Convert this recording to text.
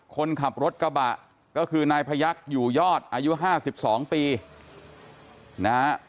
คนขับรถกระบะก็คือนายพยักษ์อยู่ยอดอายุ๕๒ปีนะฮะ